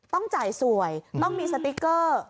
ต้องจ่ายสวยต้องมีสติ๊กเกอร์